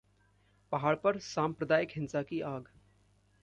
पहाड़ पर सांप्रादायिक हिंसा की आग